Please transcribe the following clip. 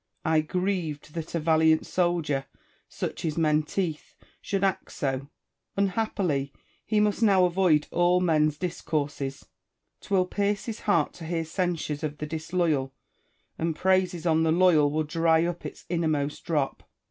I grieved that a valiant soldier (such is Menteith) should act so. Unhappily ! he must now avoid all men's discourses. 'Twill pierce his heart to hear censures of the disloyal ; and praises on the loyal will dry up its innermost drop.